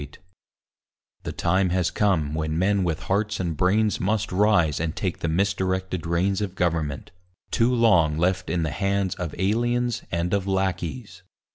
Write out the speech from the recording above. REFORM The time has come when men with hearts and brains Must rise and take the misdirected reins Of government; too long left in the hands Of aliens and of lackeys.